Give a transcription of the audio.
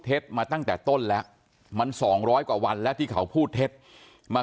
มาตั้งแต่ต้นแล้วมัน๒๐๐กว่าวันแล้วที่เขาพูดเท็จมา